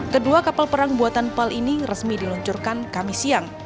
kedua kapal perang buatan pal ini resmi diluncurkan kami siang